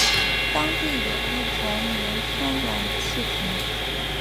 当地有一同名天然气田。